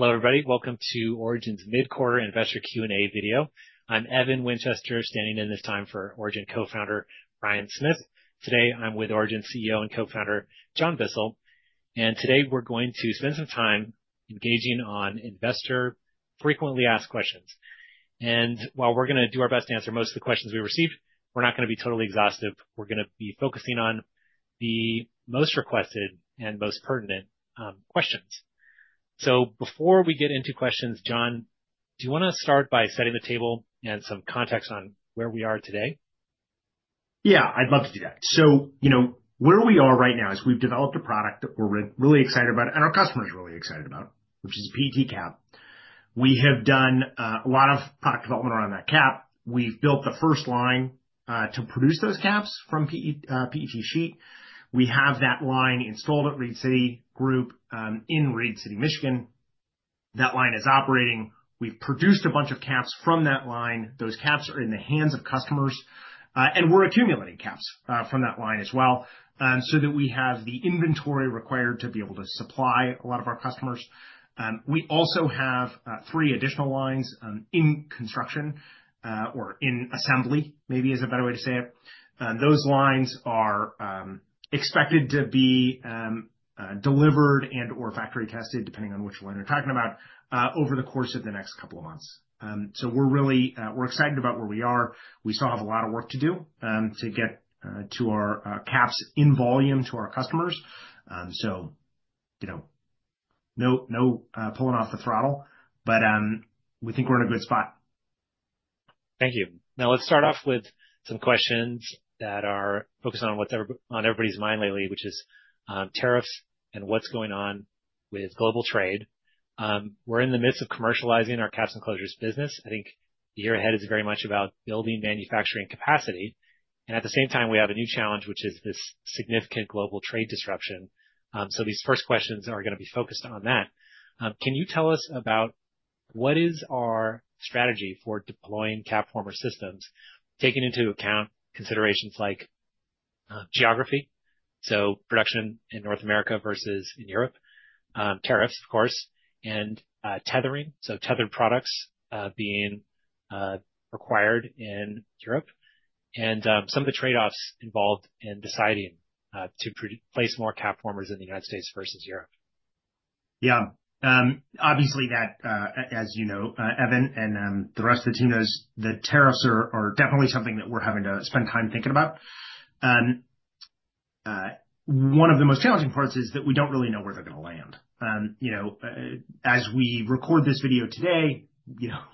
Hello, everybody. Welcome to Origin's mid-quarter investor Q&A video. I'm Evan Winchester, standing in this time for Origin co-founder Ryan Smith. Today, I'm with Origin CEO and co-founder John Bissell, and today we're going to spend some time engaging on investor frequently asked questions, and while we're going to do our best to answer most of the questions we receive, we're not going to be totally exhaustive. We're going to be focusing on the most requested and most pertinent questions, so before we get into questions, John, do you want to start by setting the table and some context on where we are today? Yeah, I'd love to do that. So where we are right now is we've developed a product that we're really excited about and our customers are really excited about, which is PET cap. We have done a lot of product development around that cap. We've built the first line to produce those caps from PET sheet. We have that line installed at Reed City Group in Reed City, Michigan. That line is operating. We've produced a bunch of caps from that line. Those caps are in the hands of customers, and we're accumulating caps from that line as well so that we have the inventory required to be able to supply a lot of our customers. We also have three additional lines in construction or in assembly, maybe is a better way to say it. Those lines are expected to be delivered and/or factory tested, depending on which line you're talking about, over the course of the next couple of months. So we're excited about where we are. We still have a lot of work to do to get to our caps in volume to our customers. So no pulling off the throttle, but we think we're in a good spot. Thank you. Now, let's start off with some questions that are focused on what's on everybody's mind lately, which is tariffs and what's going on with global trade. We're in the midst of commercializing our caps and closures business. I think the year ahead is very much about building manufacturing capacity. And at the same time, we have a new challenge, which is this significant global trade disruption. So these first questions are going to be focused on that. Can you tell us about what is our strategy for deploying CapFormer systems, taking into account considerations like geography, so production in North America versus in Europe, tariffs, of course, and tethering, so tethered products being required in Europe, and some of the trade-offs involved in deciding to place more CapFormers in the United States versus Europe? Yeah. Obviously, as you know, Evan, and the rest of the team knows, the tariffs are definitely something that we're having to spend time thinking about. One of the most challenging parts is that we don't really know where they're going to land. As we record this video today,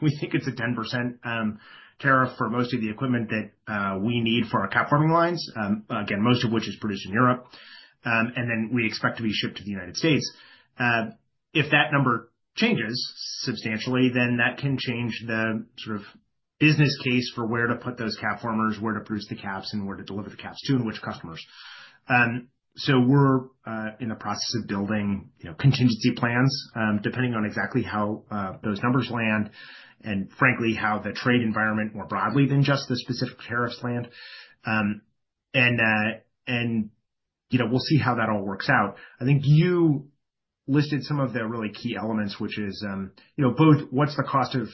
we think it's a 10% tariff for most of the equipment that we need for our cap forming lines, again, most of which is produced in Europe, and then we expect to be shipped to the United States. If that number changes substantially, then that can change the sort of business case for where to put those CapFormers, where to produce the caps, and where to deliver the caps to and which customers. We're in the process of building contingency plans, depending on exactly how those numbers land and, frankly, how the trade environment more broadly than just the specific tariffs land. And we'll see how that all works out. I think you listed some of the really key elements, which is both what's the cost of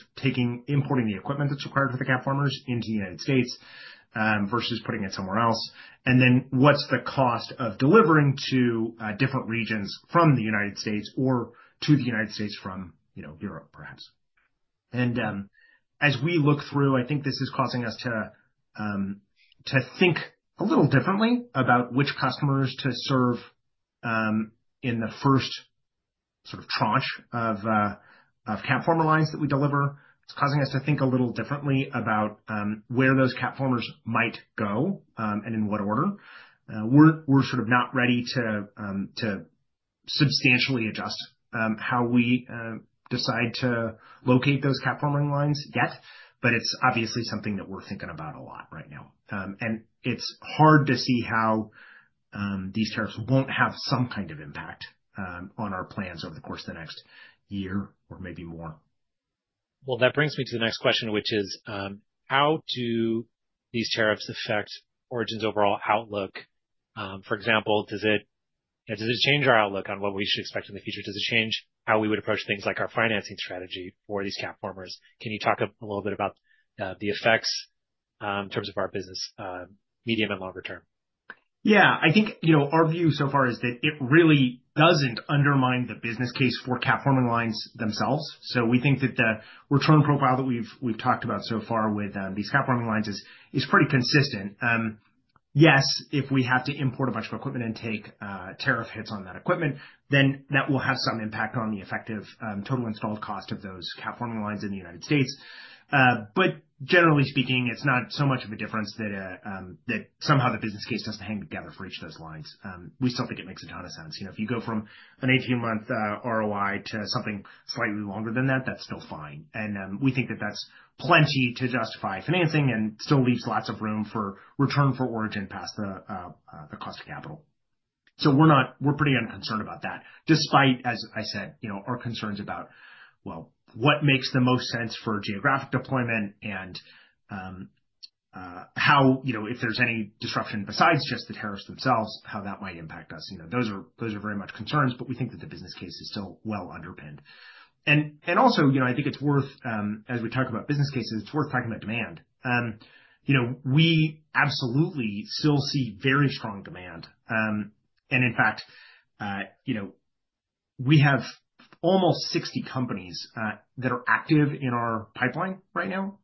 importing the equipment that's required for the CapFormers into the United States versus putting it somewhere else, and then what's the cost of delivering to different regions from the United States or to the United States from Europe, perhaps. And as we look through, I think this is causing us to think a little differently about which customers to serve in the first sort of tranche of CapFormer lines that we deliver. It's causing us to think a little differently about where those CapFormers might go and in what order. We're sort of not ready to substantially adjust how we decide to locate those cap forming lines yet, but it's obviously something that we're thinking about a lot right now. And it's hard to see how these tariffs won't have some kind of impact on our plans over the course of the next year or maybe more. That brings me to the next question, which is how do these tariffs affect Origin's overall outlook? For example, does it change our outlook on what we should expect in the future? Does it change how we would approach things like our financing strategy for these CapFormers? Can you talk a little bit about the effects in terms of our business, medium and longer term? Yeah. I think our view so far is that it really doesn't undermine the business case for cap forming lines themselves. So we think that the return profile that we've talked about so far with these cap forming lines is pretty consistent. Yes, if we have to import a bunch of equipment and take tariff hits on that equipment, then that will have some impact on the effective total installed cost of those cap forming lines in the United States. But generally speaking, it's not so much of a difference that somehow the business case doesn't hang together for each of those lines. We still think it makes a ton of sense. If you go from an 18-month ROI to something slightly longer than that, that's still fine. And we think that that's plenty to justify financing and still leaves lots of room for return for Origin past the cost of capital. So we're pretty unconcerned about that, despite, as I said, our concerns about, well, what makes the most sense for geographic deployment and how, if there's any disruption besides just the tariffs themselves, how that might impact us. Those are very much concerns, but we think that the business case is still well underpinned. And also, I think it's worth, as we talk about business cases, it's worth talking about demand. We absolutely still see very strong demand. And in fact, we have almost 60 companies that are active in our pipeline right now.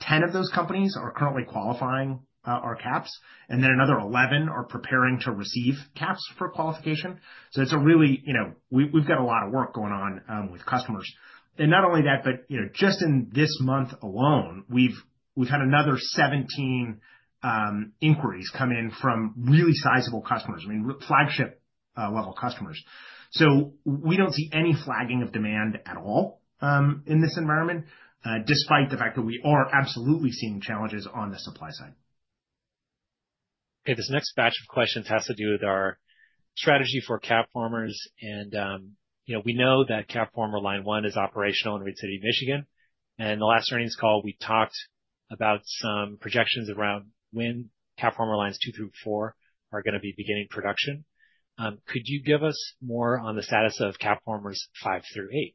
10 of those companies are currently qualifying our caps, and then another 11 are preparing to receive caps for qualification. So, it's really. We've got a lot of work going on with customers. And not only that, but just in this month alone, we've had another 17 inquiries come in from really sizable customers, I mean, flagship-level customers. So we don't see any flagging of demand at all in this environment, despite the fact that we are absolutely seeing challenges on the supply side. Okay. This next batch of questions has to do with our strategy for CapFormers. And we know that CapFormer line one is operational in Reed City, Michigan. And in the last earnings call, we talked about some projections around when CapFormer line two through four are going to be beginning production. Could you give us more on the status of CapFormers five through eight?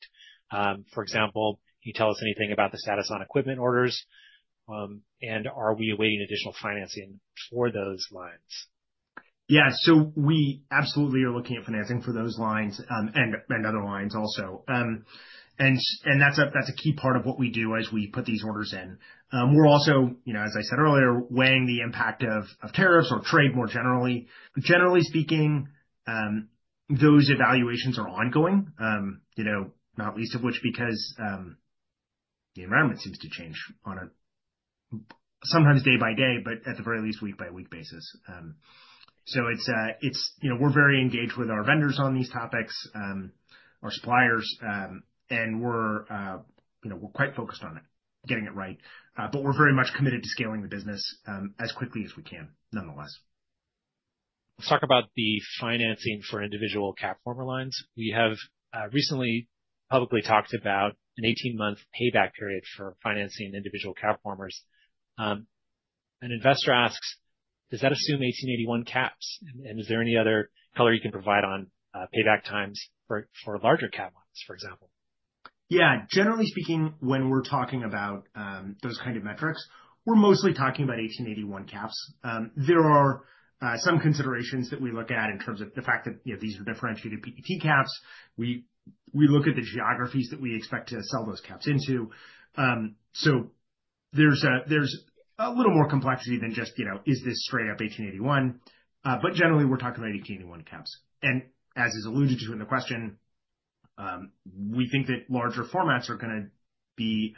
For example, can you tell us anything about the status on equipment orders, and are we awaiting additional financing for those lines? Yeah. So we absolutely are looking at financing for those lines and other lines also. And that's a key part of what we do as we put these orders in. We're also, as I said earlier, weighing the impact of tariffs or trade more generally. Generally speaking, those evaluations are ongoing, not least of which because the environment seems to change sometimes day by day, but at the very least week-by-week basis. So we're very engaged with our vendors on these topics, our suppliers, and we're quite focused on getting it right. But we're very much committed to scaling the business as quickly as we can, nonetheless. Let's talk about the financing for individual CapFormer lines. We have recently publicly talked about an 18-month payback period for financing individual CapFormers. An investor asks, does that assume 1881 caps, and is there any other color you can provide on payback times for larger CapFormer lines, for example? Yeah. Generally speaking, when we're talking about those kind of metrics, we're mostly talking about 1881 caps. There are some considerations that we look at in terms of the fact that these are differentiated PET caps. We look at the geographies that we expect to sell those caps into. So there's a little more complexity than just, is this straight up 1881? But generally, we're talking about 1881 caps. And as is alluded to in the question, we think that larger formats are going to be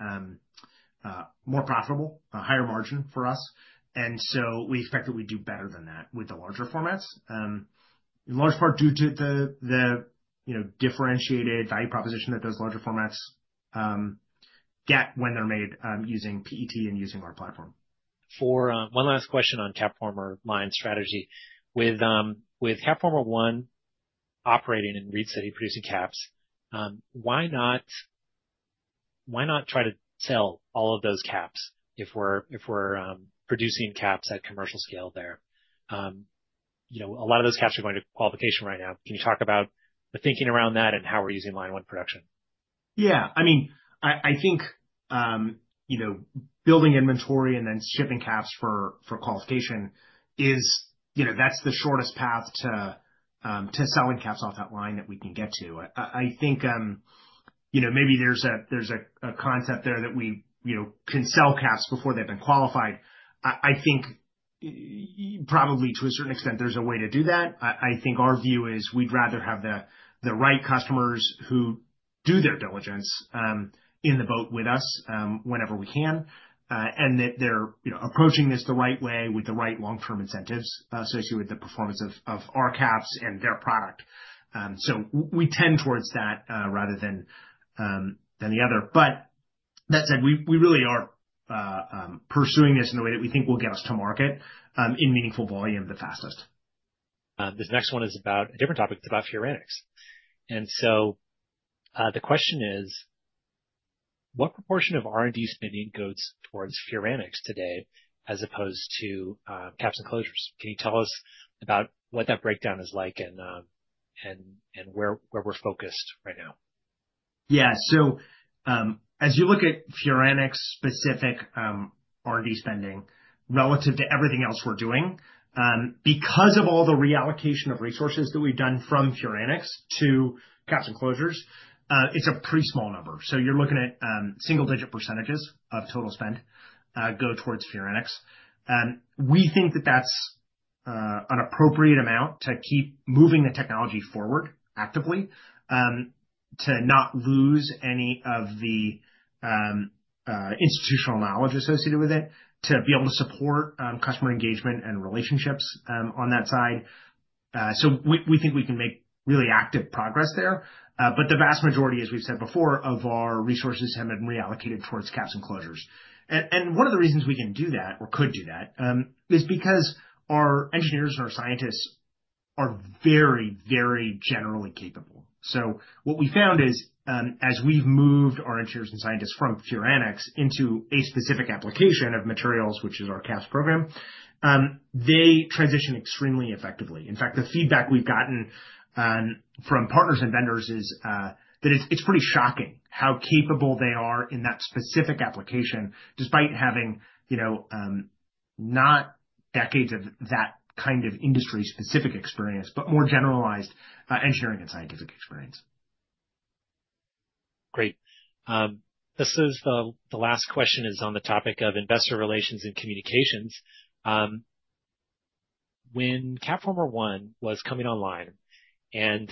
more profitable, a higher margin for us. And so we expect that we do better than that with the larger formats, in large part due to the differentiated value proposition that those larger formats get when they're made using PET and using our platform. For one last question on CapFormer line strategy. With CapFormer one operating in Reed City producing caps, why not try to sell all of those caps if we're producing caps at commercial scale there? A lot of those caps are going to qualification right now. Can you talk about the thinking around that and how we're using line one production? Yeah. I mean, I think building inventory and then shipping caps for qualification, that's the shortest path to selling caps off that line that we can get to. I think maybe there's a concept there that we can sell caps before they've been qualified. I think probably to a certain extent, there's a way to do that. I think our view is we'd rather have the right customers who do their due diligence in the boat with us whenever we can and that they're approaching this the right way with the right long-term incentives associated with the performance of our caps and their product. So we tend towards that rather than the other. But that said, we really are pursuing this in the way that we think will get us to market in meaningful volume the fastest. This next one is about a different topic. It's about furanics, and so the question is, what proportion of R&D spending goes towards furanics today as opposed to caps and closures? Can you tell us about what that breakdown is like and where we're focused right now? Yeah. So as you look at furanics-specific R&D spending relative to everything else we're doing, because of all the reallocation of resources that we've done from furanics to caps and closures, it's a pretty small number. So you're looking at single-digit percentages of total spend go towards furanics. We think that that's an appropriate amount to keep moving the technology forward actively to not lose any of the institutional knowledge associated with it, to be able to support customer engagement and relationships on that side. So we think we can make really active progress there. But the vast majority, as we've said before, of our resources have been reallocated towards caps and closures. And one of the reasons we can do that or could do that is because our engineers and our scientists are very, very generally capable. So what we found is as we've moved our engineers and scientists from furanics into a specific application of materials, which is our caps program, they transition extremely effectively. In fact, the feedback we've gotten from partners and vendors is that it's pretty shocking how capable they are in that specific application despite having not decades of that kind of industry-specific experience, but more generalized engineering and scientific experience. Great. This is the last question on the topic of investor relations and communications. When CapFormer one was coming online, and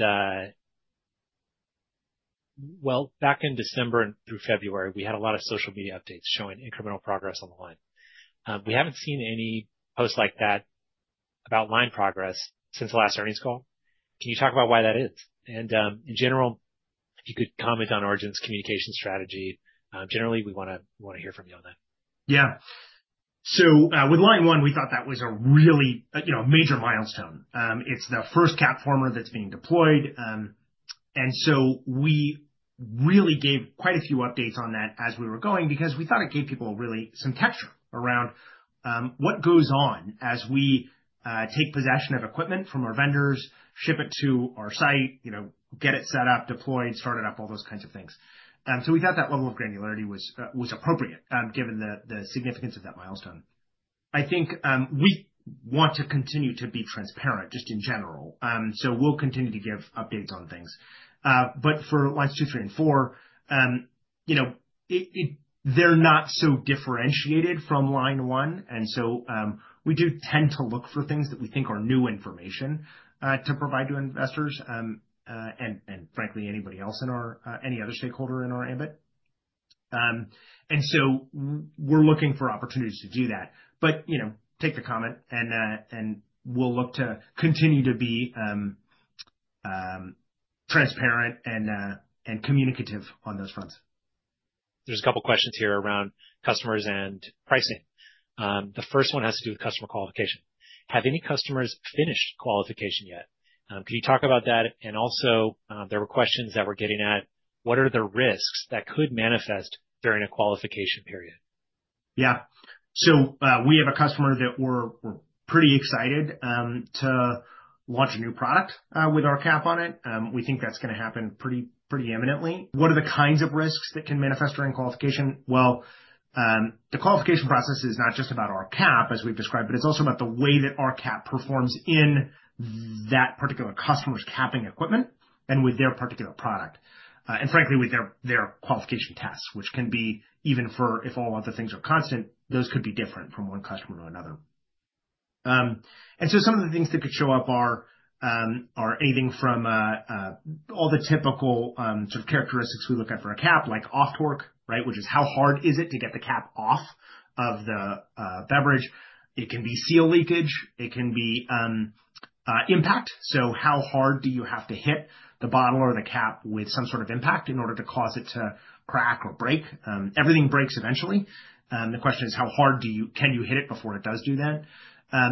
well, back in December and through February, we had a lot of social media updates showing incremental progress on the line. We haven't seen any posts like that about line progress since the last earnings call. Can you talk about why that is? And in general, if you could comment on Origin's communication strategy, generally, we want to hear from you on that. Yeah, so with line one, we thought that was a really major milestone. It's the first CapFormer that's being deployed, and so we really gave quite a few updates on that as we were going because we thought it gave people really some texture around what goes on as we take possession of equipment from our vendors, ship it to our site, get it set up, deployed, started up, all those kinds of things. So we thought that level of granularity was appropriate given the significance of that milestone. I think we want to continue to be transparent just in general, so we'll continue to give updates on things. But for lines two, three, and four, they're not so differentiated from line one. We do tend to look for things that we think are new information to provide to investors and, frankly, anybody else or any other stakeholder in our ambit. We're looking for opportunities to do that. Take the comment, and we'll look to continue to be transparent and communicative on those fronts. There's a couple of questions here around customers and pricing. The first one has to do with customer qualification. Have any customers finished qualification yet? Can you talk about that? And also, there were questions that we're getting at, what are the risks that could manifest during a qualification period? Yeah. So we have a customer that we're pretty excited to launch a new product with our cap on it. We think that's going to happen pretty imminently. What are the kinds of risks that can manifest during qualification? Well, the qualification process is not just about our cap, as we've described, but it's also about the way that our cap performs in that particular customer's capping equipment and with their particular product, and frankly, with their qualification tests, which can be even for if all other things are constant, those could be different from one customer to another. And so some of the things that could show up are anything from all the typical sort of characteristics we look at for a cap, like off torque, right, which is how hard is it to get the cap off of the beverage. It can be seal leakage. It can be impact. So how hard do you have to hit the bottle or the cap with some sort of impact in order to cause it to crack or break? Everything breaks eventually. The question is, how hard can you hit it before it does do that?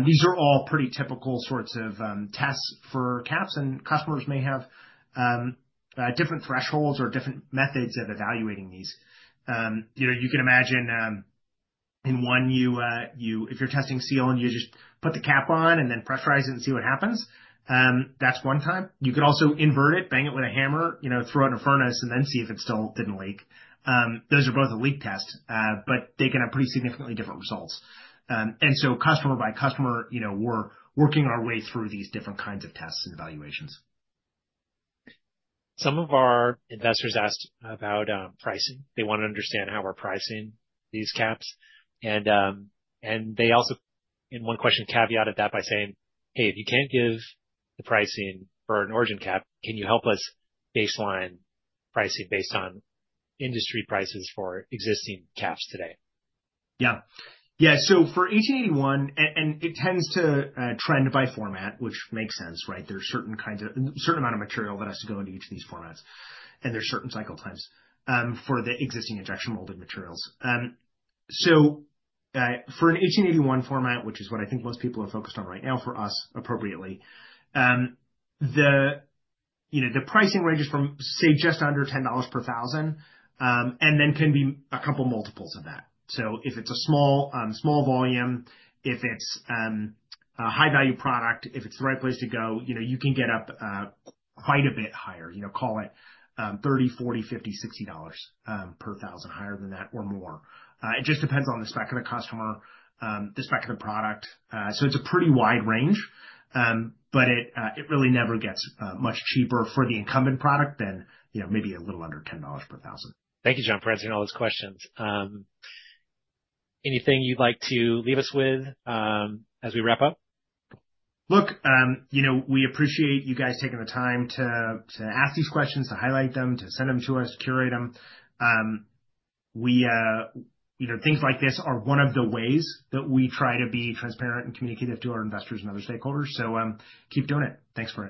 These are all pretty typical sorts of tests for caps, and customers may have different thresholds or different methods of evaluating these. You can imagine in one, if you're testing seal and you just put the cap on and then pressurize it and see what happens, that's one time. You could also invert it, bang it with a hammer, throw it in a furnace, and then see if it still didn't leak. Those are both a leak test, but they can have pretty significantly different results. Customer by customer, we're working our way through these different kinds of tests and evaluations. Some of our investors asked about pricing. They want to understand how we're pricing these caps, and they also, in one question, caveated that by saying, "Hey, if you can't give the pricing for an Origin cap, can you help us baseline pricing based on industry prices for existing caps today? Yeah. Yeah. So for 1881, it tends to trend by format, which makes sense, right? There's a certain amount of material that has to go into each of these formats, and there's certain cycle times for the existing injection molded materials. So for an 1881 format, which is what I think most people are focused on right now for us appropriately, the pricing range is from, say, just under $10 per thousand, and then can be a couple multiples of that. So if it's a small volume, if it's a high-value product, if it's the right place to go, you can get up quite a bit higher, call it $30-$60 per thousand higher than that or more. It just depends on the spec of the customer, the spec of the product. So it's a pretty wide range, but it really never gets much cheaper for the incumbent product than maybe a little under $10 per thousand. Thank you, John, for answering all those questions. Anything you'd like to leave us with as we wrap up? Look, we appreciate you guys taking the time to ask these questions, to highlight them, to send them to us, curate them. Things like this are one of the ways that we try to be transparent and communicative to our investors and other stakeholders. So keep doing it. Thanks for that.